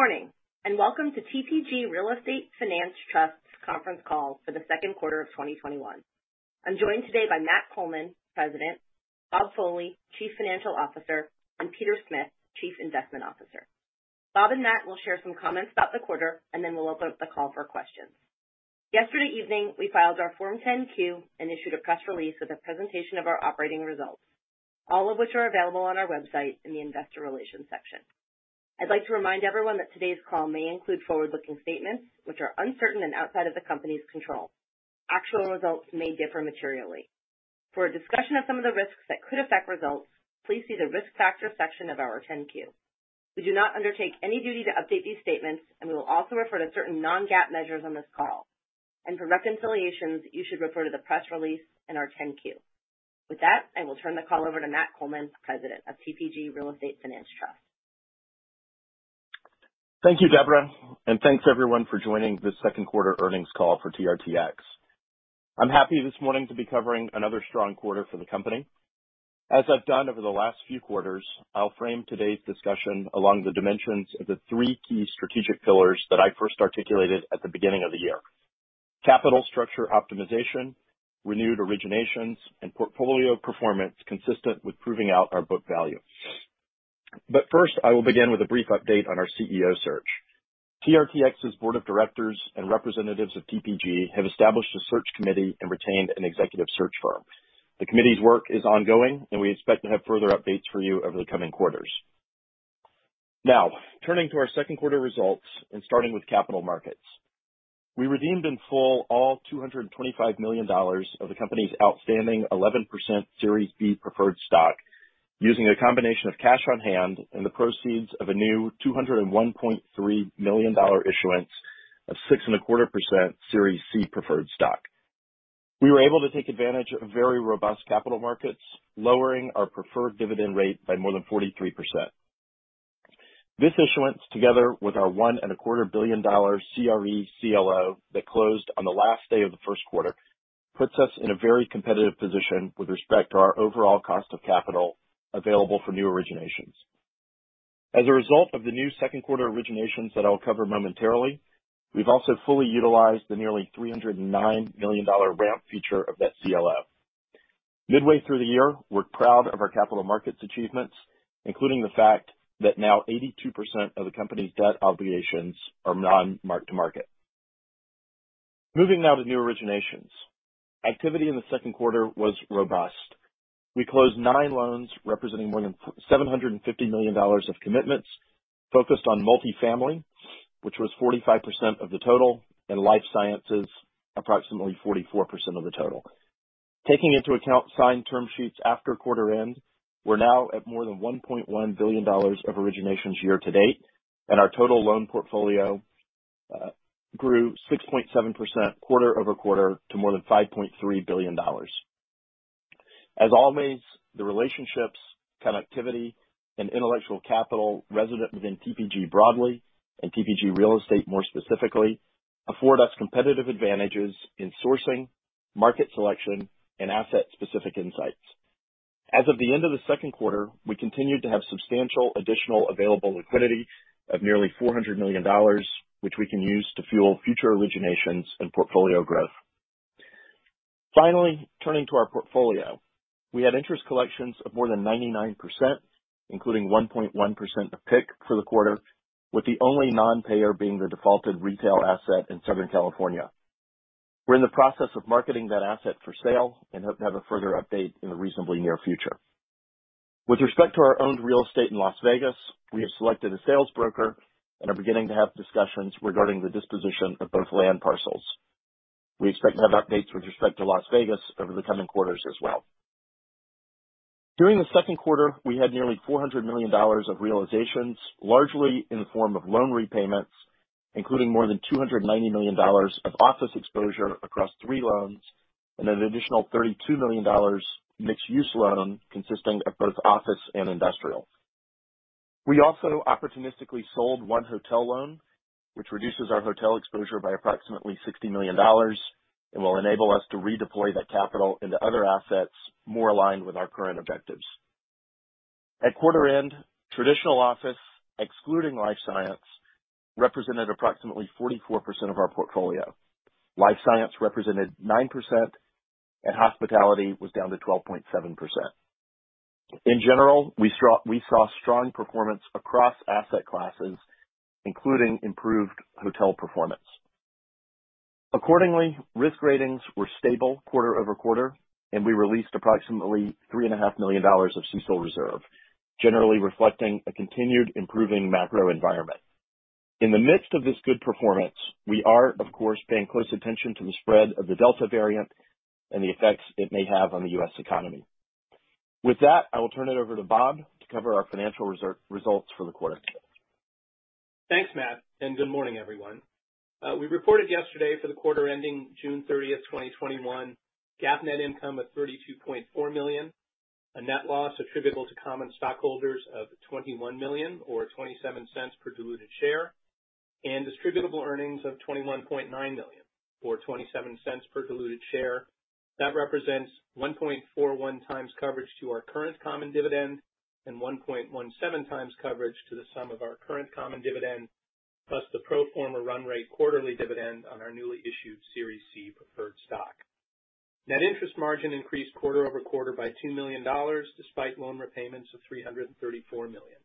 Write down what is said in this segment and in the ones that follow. Good morning, and welcome to TPG Real Estate Finance Trust Conference Call for the Second Quarter of 2021. I'm joined today by Matt Coleman, President, Bob Foley, Chief Financial Officer, and Peter Smith, Chief Investment Officer. Bob and Matt will share some comments about the quarter, and then we'll open up the call for questions. Yesterday evening, we filed our Form 10-Q and issued a press release with a presentation of our operating results, all of which are available on our website in the investor relations section. I'd like to remind everyone that today's call may include forward-looking statements which are uncertain and outside of the company's control. Actual results may differ materially. For a discussion of some of the risks that could affect results, please see the risk factors section of our 10-Q. We do not undertake any duty to update these statements, and we will also refer to certain non-GAAP measures on this call. For reconciliations, you should refer to the press release and our 10-Q. With that, I will turn the call over to Matt Coleman, President of TPG Real Estate Finance Trust. Thank you, Debra, and thanks, everyone, for joining this second quarter earnings call for TRTX. I'm happy this morning to be covering another strong quarter for the Company. As I've done over the last few quarters, I'll frame today's discussion along the dimensions of the three key strategic pillars that I first articulated at the beginning of the year: capital structure optimization, renewed originations, and portfolio performance consistent with proving out our book value. First, I will begin with a brief update on our CEO search. TRTX's Board of Directors and representatives of TPG have established a search committee and retained an executive search firm. The committee's work is ongoing. We expect to have further updates for you over the coming quarters. Now, turning to our second quarter results and starting with capital markets. We redeemed in full all $225 million of the Company's outstanding 11% Series B preferred stock using a combination of cash on hand and the proceeds of a new $201.3 million issuance of 6.25% Series C preferred stock. We were able to take advantage of very robust capital markets, lowering our preferred dividend rate by more than 43%. This issuance, together with our $1.25 billion CRE CLO that closed on the last day of the first quarter, puts us in a very competitive position with respect to our overall cost of capital available for new originations. As a result of the new second quarter originations that I'll cover momentarily, we've also fully utilized the nearly $309 million ramp feature of that CLO. Midway through the year, we're proud of our capital markets achievements, including the fact that now 82% of the company's debt obligations are non-mark-to-market. Moving now to new originations. Activity in the second quarter was robust. We closed nine loans representing more than $750 million of commitments focused on multifamily, which was 45% of the total, and life sciences, approximately 44% of the total. Taking into account signed term sheets after quarter end, we're now at more than $1.1 billion of originations year to date, and our total loan portfolio grew 6.7% quarter-over-quarter to more than $5.3 billion. As always, the relationships, connectivity, and intellectual capital resident within TPG broadly, and TPG Real Estate more specifically, afford us competitive advantages in sourcing, market selection, and asset-specific insights. As of the end of the second quarter, we continued to have substantial additional available liquidity of nearly $400 million, which we can use to fuel future originations and portfolio growth. Finally, turning to our portfolio. We had interest collections of more than 99%, including 1.1% of PIK for the quarter, with the only non-payer being the defaulted retail asset in Southern California. We're in the process of marketing that asset for sale and hope to have a further update in the reasonably near future. With respect to our owned real estate in Las Vegas, we have selected a sales broker and are beginning to have discussions regarding the disposition of both land parcels. We expect to have updates with respect to Las Vegas over the coming quarters as well. During the second quarter, we had nearly $400 million of realizations, largely in the form of loan repayments, including more than $290 million of office exposure across three loans and an additional $32 million mixed-use loan consisting of both office and industrial. We also opportunistically sold one hotel loan, which reduces our hotel exposure by approximately $60 million and will enable us to redeploy that capital into other assets more aligned with our current objectives. At quarter end, traditional office, excluding life science, represented approximately 44% of our portfolio. Life science represented 9%, and hospitality was down to 12.7%. In general, we saw strong performance across asset classes, including improved hotel performance. Accordingly, risk ratings were stable quarter-over-quarter, and we released approximately $3.5 million of CECL reserve, generally reflecting a continued improving macro environment. In the midst of this good performance, we are, of course, paying close attention to the spread of the Delta variant and the effects it may have on the U.S. economy. With that, I will turn it over to Bob to cover our financial results for the quarter. Thanks, Matt. Good morning, everyone. We reported yesterday for the quarter ending June 30th, 2021 GAAP net income of $32.4 million, a net loss attributable to common stockholders of $21 million or $0.27 per diluted share. Distributable earnings of $21.9 million, or $0.27 per diluted share. That represents 1.41x coverage to our current common dividend and 1.17x coverage to the sum of our current common dividend, plus the pro forma run rate quarterly dividend on our newly issued Series C preferred stock. Net interest margin increased quarter-over-quarter by $2 million, despite loan repayments of $334 million.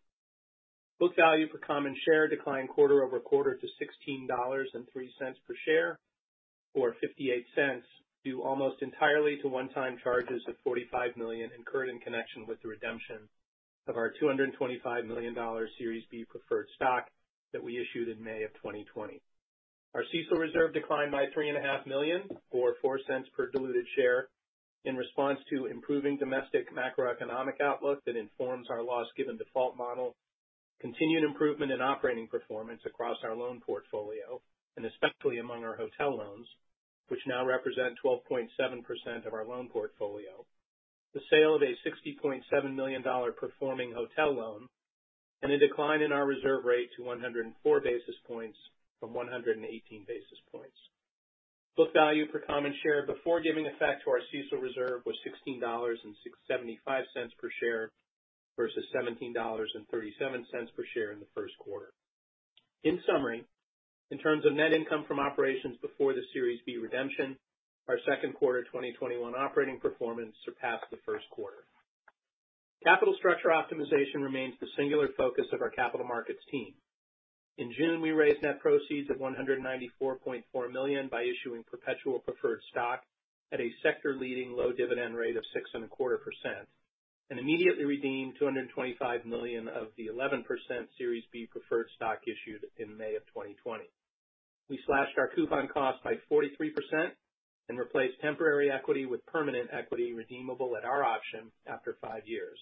Book value per common share declined quarter-over-quarter to $16.03 per share, or $0.58, due almost entirely to one-time charges of $45 million incurred in connection with the redemption of our $225 million Series B preferred stock that we issued in May 2020. Our CECL reserve declined by $3.5 million, or $0.04 per diluted share, in response to improving domestic macroeconomic outlook that informs our loss given default model, continued improvement in operating performance across our loan portfolio, and especially among our hotel loans, which now represent 12.7% of our loan portfolio. The sale of a $60.7 million performing hotel loan, and a decline in our reserve rate to 104 basis points from 118 basis points. Book value per common share before giving effect to our CECL reserve was $16.75 per share versus $17.37 per share in the first quarter. In summary, in terms of net income from operations before the Series B redemption, our second quarter 2021 operating performance surpassed the first quarter. Capital structure optimization remains the singular focus of our capital markets team. In June, we raised net proceeds of $194.4 million by issuing perpetual preferred stock at a sector-leading low dividend rate of 6.25%, and immediately redeemed $225 million of the 11% Series B preferred stock issued in May of 2020. We slashed our coupon cost by 43% and replaced temporary equity with permanent equity redeemable at our option after five years.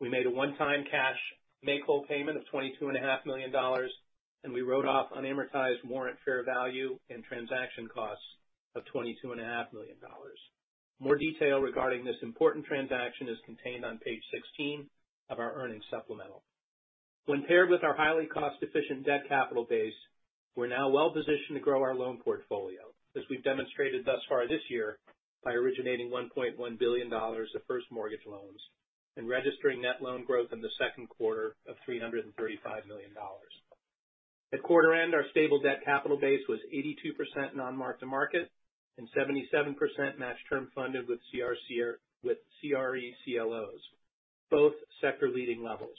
We made a one-time cash make-whole payment of $22.5 million, and we wrote off unamortized warrant fair value and transaction costs of $22.5 million. More detail regarding this important transaction is contained on page 16 of our earnings supplemental. When paired with our highly cost-efficient debt capital base, we're now well-positioned to grow our loan portfolio, as we've demonstrated thus far this year by originating $1.1 billion of first mortgage loans and registering net loan growth in the second quarter of $335 million. At quarter end, our stable debt capital base was 82% non-mark-to-market and 77% match term funded with CRE CLOs, both sector-leading levels.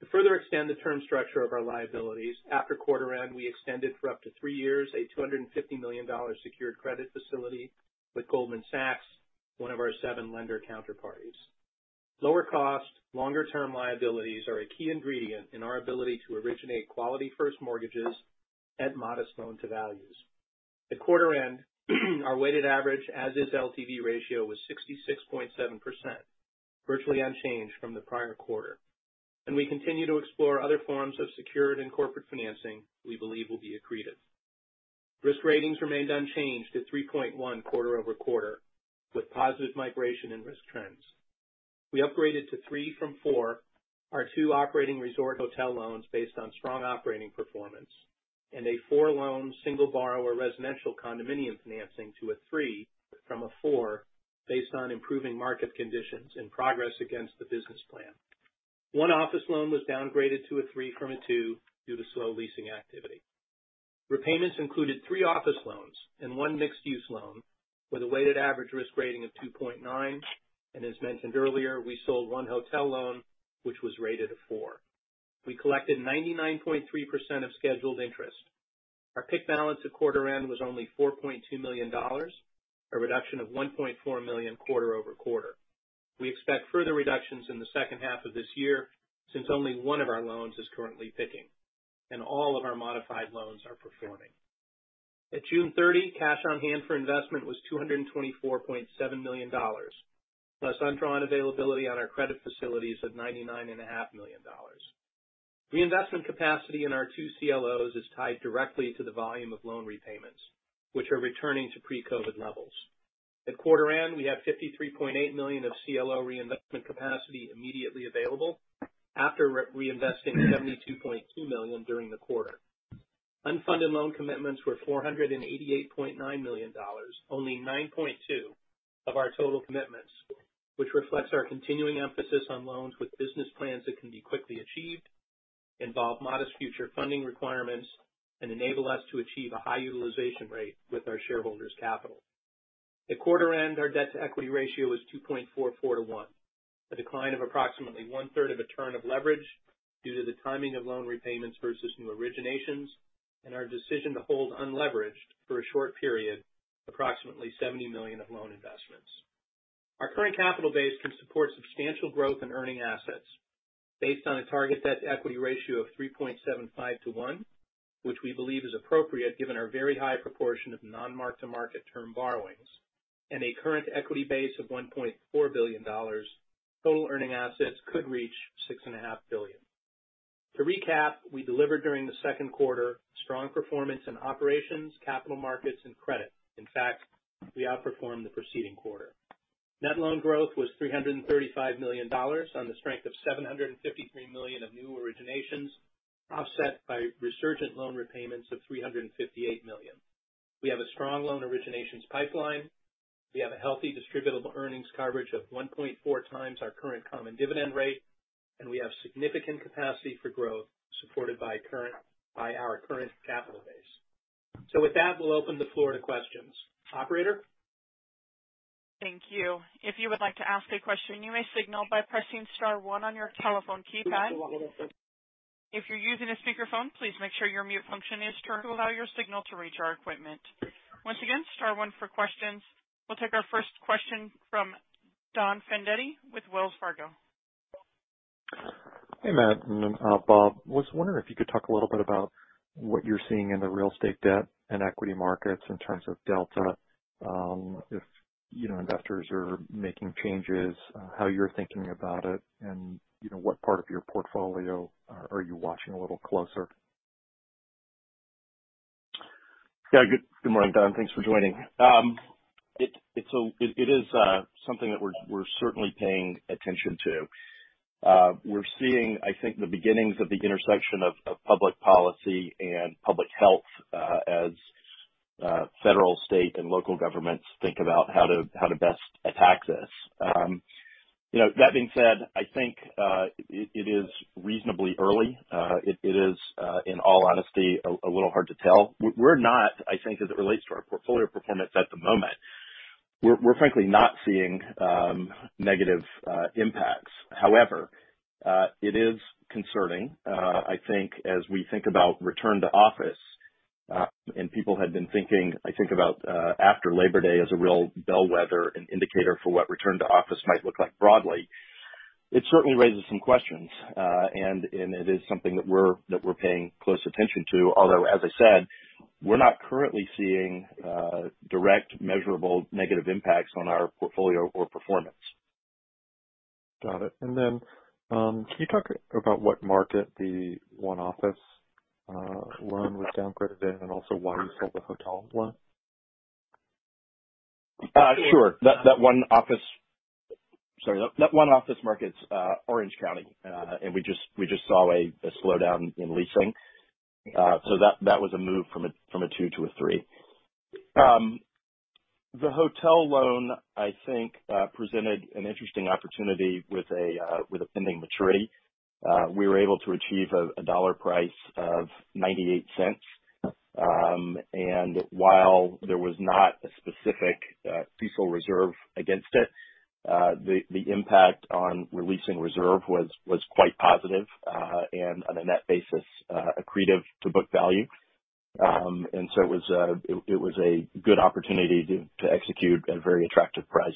To further extend the term structure of our liabilities, after quarter end, we extended for up to three years a $250 million secured credit facility with Goldman Sachs, one of our seven lender counterparties. Lower cost, longer term liabilities are a key ingredient in our ability to originate quality first mortgages at modest loan to values. At quarter end, our weighted average as is LTV ratio was 66.7%, virtually unchanged from the prior quarter. We continue to explore other forms of secured and corporate financing we believe will be accretive. Risk ratings remained unchanged at 3.1 quarter-over-quarter, with positive migration and risk trends. We upgraded to three from four our two operating resort hotel loans based on strong operating performance and a four-loan, single borrower, residential condominium financing to a three from a four based on improving market conditions and progress against the business plan. One office loan was downgraded to a three from a two due to slow leasing activity. Repayments included three office loans and one mixed use loan with a weighted average risk rating of 2.9. As mentioned earlier, we sold one hotel loan, which was rated a 4. We collected 99.3% of scheduled interest. Our PIK balance at quarter end was only $4.2 million, a reduction of $1.4 million quarter-over-quarter. We expect further reductions in the second half of this year, since only one of our loans is currently PIK-ing, and all of our modified loans are performing. At June 30, cash on hand for investment was $224.7 million, plus undrawn availability on our credit facilities of $99.5 million. Reinvestment capacity in our two CLOs is tied directly to the volume of loan repayments, which are returning to pre-COVID levels. At quarter end, we have $53.8 million of CLO reinvestment capacity immediately available after re-investing $72.2 million during the quarter. Unfunded loan commitments were $488.9 million, only 9.2% of our total commitments, which reflects our continuing emphasis on loans with business plans that can be quickly achieved, involve modest future funding requirements, and enable us to achieve a high utilization rate with our shareholders' capital. At quarter end, our debt-to-equity ratio was 2.44:1, a decline of approximately 1/3 of a turn of leverage due to the timing of loan repayments versus new originations and our decision to hold unleveraged for a short period, approximately $70 million of loan investments. Our current capital base can support substantial growth in earning assets. Based on a target debt-to-equity ratio of 3.75:1, which we believe is appropriate given our very high proportion of non-mark-to-market term borrowings and a current equity base of $1.4 billion, total earning assets could reach $6.5 billion. To recap, we delivered during the second quarter strong performance in operations, capital markets, and credit. In fact, we outperformed the preceding quarter. Net loan growth was $335 million on the strength of $753 million of new originations, offset by resurgent loan repayments of $358 million. We have a strong loan originations pipeline. We have a healthy distributable earnings coverage of 1.4x our current common dividend rate, and we have significant capacity for growth supported by our current capital base. With that, we'll open the floor to questions. Operator? Thank you. If you would like to ask a question, you may signal by pressing star one on your telephone keypad. If you're using a speakerphone, please make sure your mute function is turned to allow your signal to reach our equipment. Once again, star one for questions. We'll take our first question from Don Fandetti with Wells Fargo. Hey, Matt and Bob. Was wondering if you could talk a little bit about what you're seeing in the real estate debt and equity markets in terms of Delta. If investors are making changes, how you're thinking about it, and what part of your portfolio are you watching a little closer? Yeah. Good morning, Don. Thanks for joining. It is something that we're certainly paying attention to. We're seeing, I think, the beginnings of the intersection of public policy and public health, as federal, state, and local governments think about how to best attack this. That being said, I think, it is reasonably early. It is, in all honesty, a little hard to tell. We're not, I think, as it relates to our portfolio performance at the moment, we're frankly not seeing negative impacts. However, it is concerning. I think as we think about return to office, and people had been thinking, I think about after Labor Day as a real bellwether and indicator for what return to office might look like broadly. It certainly raises some questions, and it is something that we're paying close attention to, although, as I said, we're not currently seeing direct measurable negative impacts on our portfolio or performance. Got it. Then, can you talk about what market the one office loan was downgraded in, and also why you sold the hotel loan? Sure. That one office market's Orange County. We just saw a slowdown in leasing. That was a move from a two to a three. The hotel loan, I think, presented an interesting opportunity with a pending maturity. We were able to achieve a dollar price of $0.98. While there was not a specific feasible reserve against it, the impact on releasing reserve was quite positive. On a net basis, accretive to book value. It was a good opportunity to execute at a very attractive price.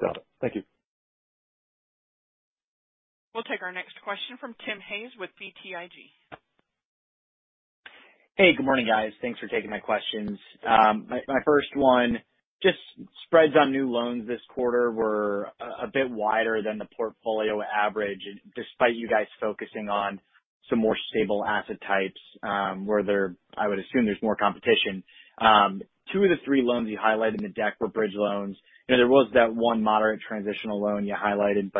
Got it. Thank you. We'll take our next question from Tim Hayes with BTIG. Hey, good morning, guys. Thanks for taking my questions. My first one, just spreads on new loans this quarter were a bit wider than the portfolio average, despite you guys focusing on some more stable asset types, where I would assume there's more competition. Two of the three loans you highlight in the deck were bridge loans, and there was that one moderate transitional loan you highlighted.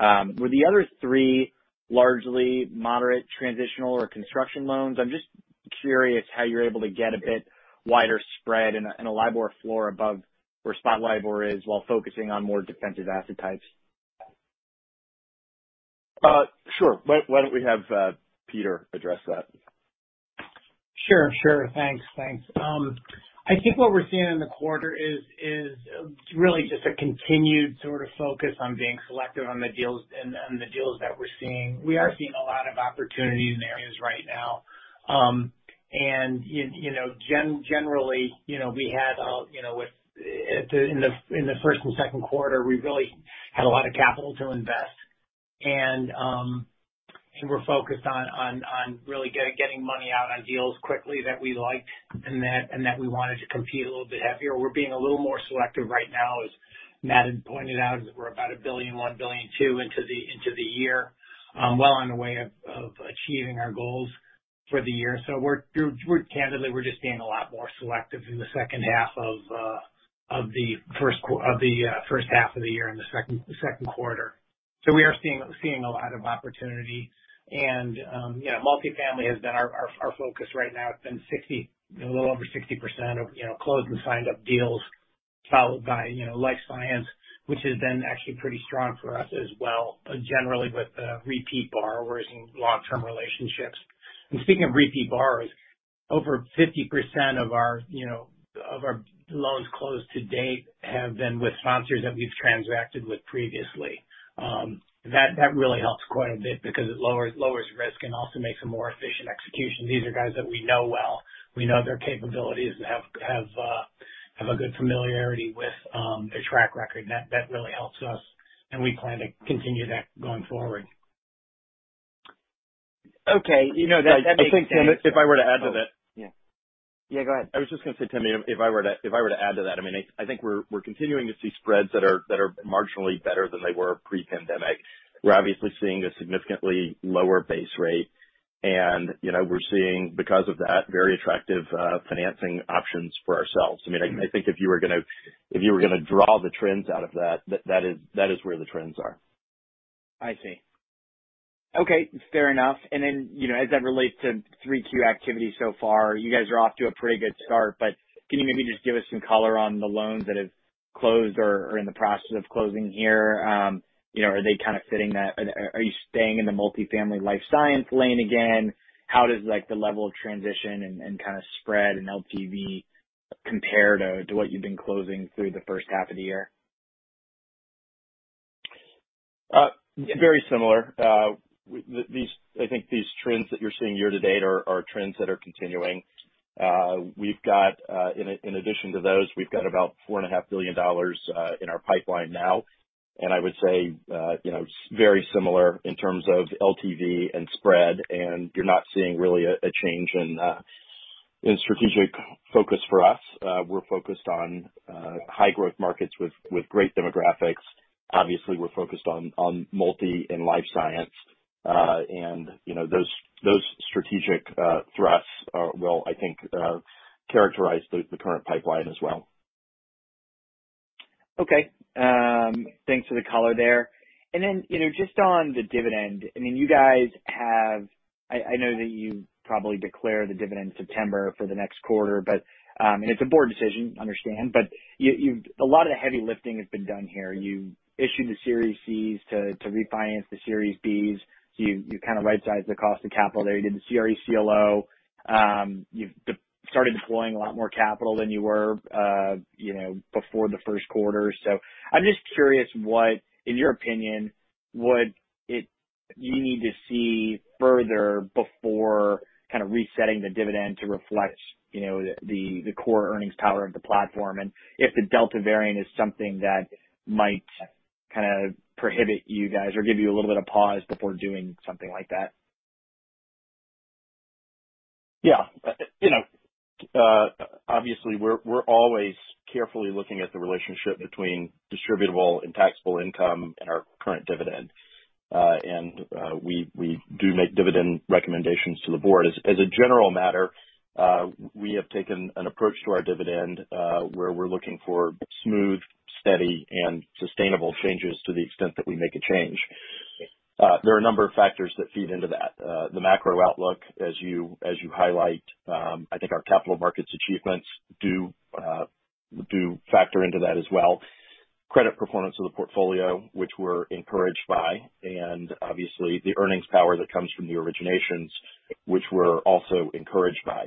Were the other three largely moderate transitional or construction loans? I'm just curious how you're able to get a bit wider spread and a LIBOR floor above where spot LIBOR is while focusing on more defensive asset types. Sure. Why don't we have Peter address that? Sure. Sure. Thanks. Thanks. I think what we're seeing in the quarter is really just a continued sort of focus on being selective on the deals that we're seeing. We are seeing a lot of opportunity in the areas right now. Generally, in the first and second quarter, we really had a lot of capital to invest and we're focused on really getting money out on deals quickly that we liked and that we wanted to compete a little bit heavier. We're being a little more selective right now, as Matt had pointed out, we're about $1.1 billion, $1.2 billion into the year. Well on the way of achieving our goals for the year. Candidly, we're just being a lot more selective in the second half of the first half of the year in the second quarter. We are seeing a lot of opportunity. Yeah, multifamily has been our focus right now. It's been a little over 60% of closed and signed up deals followed by life science, which has been actually pretty strong for us as well, generally with repeat borrowers and long-term relationships. Speaking of repeat borrowers, over 50% of our loans closed to date have been with sponsors that we've transacted with previously. That really helps quite a bit because it lowers risk and also makes a more efficient execution. These are guys that we know well. We know their capabilities, have a good familiarity with their track record. That really helps us, and we plan to continue that going forward. Okay. That makes sense. I think, Tim, if I were to add to that. Yeah. Go ahead. I was just going to say, Tim, if I were to add to that, I think we're continuing to see spreads that are marginally better than they were pre-pandemic. We're obviously seeing a significantly lower base rate. We're seeing, because of that, very attractive financing options for ourselves. I think if you were going to draw the trends out of that is where the trends are. I see. Okay. Fair enough. Then, as that relates to 3Q activities so far, you guys are off to a pretty good start. Can you maybe just give us some color on the loans that have closed or are in the process of closing here? Are you staying in the multifamily life science lane again? How does the level of transition and kind of spread and LTV compare to what you've been closing through the first half of the year? Very similar. I think these trends that you're seeing year to date are trends that are continuing. In addition to those, we've got about $4.5 billion in our pipeline now. I would say, very similar in terms of LTV and spread, and you're not seeing really a change in strategic focus for us. We're focused on high growth markets with great demographics. Obviously, we're focused on multi and life science. Those strategic thrusts will, I think, characterize the current pipeline as well. Okay. Thanks for the color there. Just on the dividend, I know that you probably declare the dividend in September for the next quarter. It's a board decision, I understand, but a lot of the heavy lifting has been done here. You issued the Series Cs to refinance the Series Bs, so you kind of right-sized the cost of capital there. You did the CRE CLO. You've started deploying a lot more capital than you were before the first quarter. I'm just curious what, in your opinion, would you need to see further before kind of resetting the dividend to reflect the core earnings power of the platform, and if the Delta variant is something that might kind of prohibit you guys or give you a little bit of pause before doing something like that. Yeah. Obviously, we're always carefully looking at the relationship between distributable and taxable income and our current dividend. And we do make dividend recommendations to the board. As a general matter, we have taken an approach to our dividend where we're looking for smooth, steady, and sustainable changes to the extent that we make a change. There are a number of factors that feed into that. The macro outlook, as you highlight. I think our capital markets achievements do factor into that as well. Credit performance of the portfolio, which we're encouraged by, and obviously the earnings power that comes from the originations, which we're also encouraged by.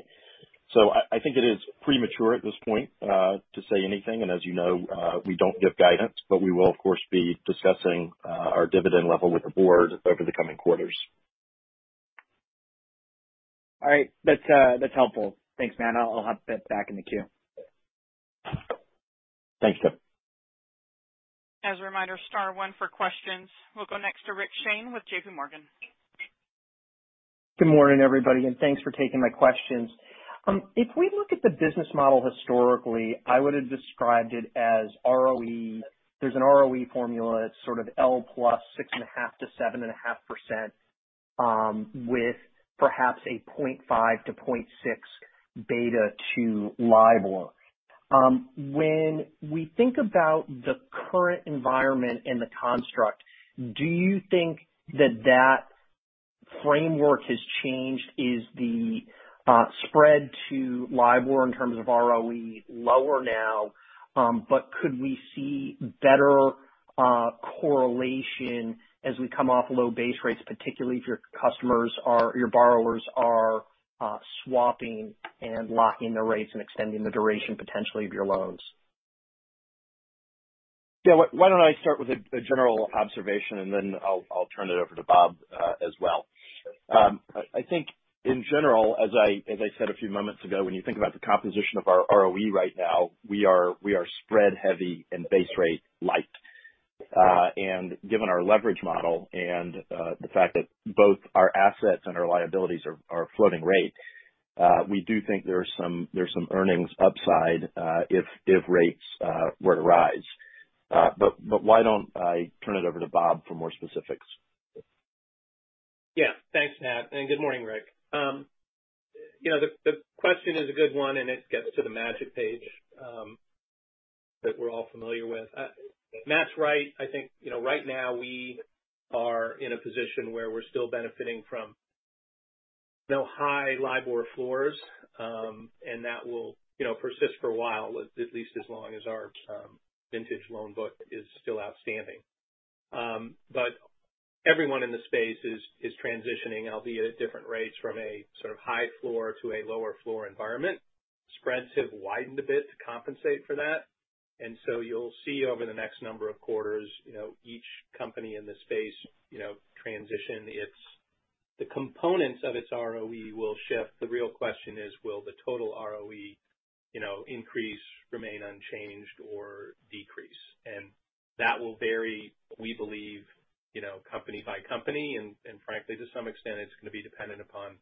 I think it is premature at this point to say anything, and as you know, we don't give guidance. But we will, of course, be discussing our dividend level with the board over the coming quarters. All right. That's helpful. Thanks, Matt. I'll hop back in the queue. Thanks, Tim. As a reminder, star one for questions. We'll go next to Rich Shane with JPMorgan. Good morning, everybody, and thanks for taking my questions. If we look at the business model historically, I would've described it as ROE. There's an ROE formula that's sort of L plus 6.5%-7.5% with perhaps a 0.5 to 0.6 beta to LIBOR. When we think about the current environment and the construct, do you think that that framework has changed? Is the spread to LIBOR in terms of ROE lower now, could we see better correlation as we come off low base rates, particularly if your borrowers are swapping and locking the rates and extending the duration potentially of your loans? Yeah. Why don't I start with a general observation and then I'll turn it over to Bob as well. I think in general, as I said a few moments ago, when you think about the composition of our ROE right now, we are spread heavy and base rate light. Given our leverage model and the fact that both our assets and our liabilities are floating rate, we do think there's some earnings upside if rates were to rise. Why don't I turn it over to Bob for more specifics. Yeah. Thanks, Matt, and good morning, Rick. The question is a good one, and it gets to the magic page that we're all familiar with. Matt's right. I think right now we are in a position where we're still benefiting from high LIBOR floors. That will persist for a while, at least as long as our vintage loan book is still outstanding. Everyone in the space is transitioning, albeit at different rates, from a sort of high floor to a lower floor environment. Spreads have widened a bit to compensate for that. You'll see over the next number of quarters each company in the space transition. The components of its ROE will shift. The real question is will the total ROE increase, remain unchanged, or decrease? That will vary, we believe, company by company, and frankly, to some extent, it's going to be dependent upon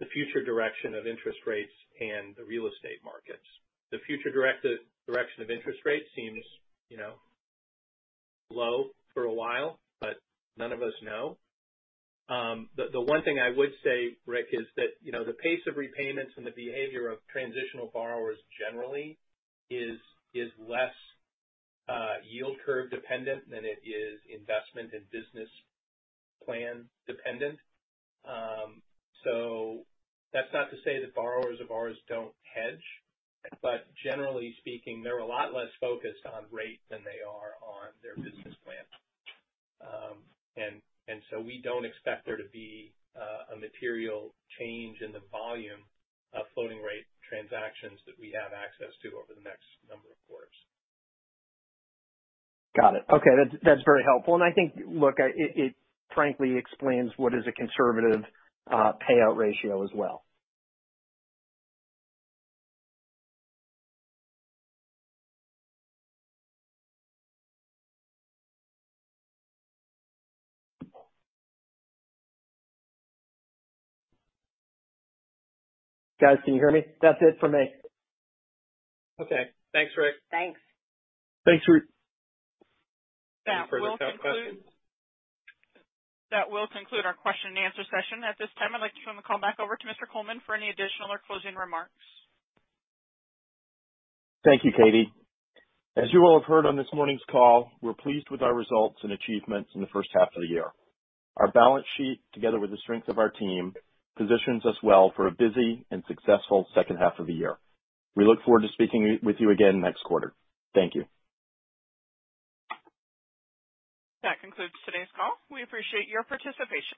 the future direction of interest rates and the real estate markets. The future direction of interest rates seems low for a while, but none of us know. The one thing I would say, Rick, is that the pace of repayments and the behavior of transitional borrowers generally is less yield curve dependent than it is investment and business plan dependent. That's not to say that borrowers of ours don't hedge. Generally speaking, they're a lot less focused on rate than they are on their business plan. We don't expect there to be a material change in the volume of floating rate transactions that we have access to over the next number of quarters. Got it. Okay. That's very helpful. I think, look, it frankly explains what is a conservative payout ratio as well. Guys, can you hear me? That's it for me. Okay. Thanks, Rick. Thanks. Thanks, Rick. That will conclude our question and answer session. At this time, I'd like to turn the call back over to Mr. Coleman for any additional or closing remarks. Thank you, Katie. As you all have heard on this morning's call, we're pleased with our results and achievements in the first half of the year. Our balance sheet, together with the strength of our team, positions us well for a busy and successful second half of the year. We look forward to speaking with you again next quarter. Thank you. That concludes today's call. We appreciate your participation.